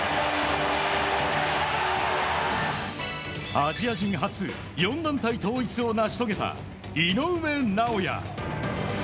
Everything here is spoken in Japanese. アジア人初４団体統一を成し遂げた井上尚弥。